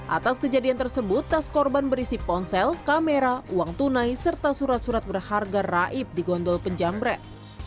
atas kejadian tersebut tas korban berisi ponsel kamera uang tunai serta surat surat berharga raib di gondol penjambret